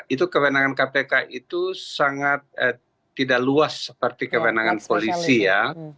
itu kewenangan kpk itu sangat tidak luas seperti kewenangan polisi ya